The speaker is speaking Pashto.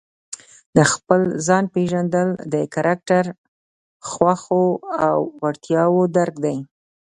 د خپل ځان پېژندل د کرکټر، خوښو او وړتیاوو درک دی.